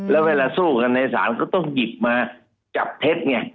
แล้วเวลาสู้กันในศาลก็ต้องหยิบมาจับเท็จไง